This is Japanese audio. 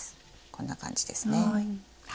こんな感じですね。